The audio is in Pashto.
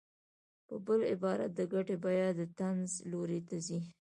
په بل عبارت د ګټې بیه د تنزل لوري ته ځي